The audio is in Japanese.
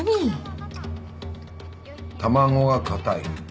卵が硬い。